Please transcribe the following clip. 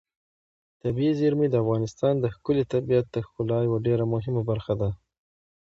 طبیعي زیرمې د افغانستان د ښكلي طبیعت د ښکلا یوه ډېره مهمه برخه ده.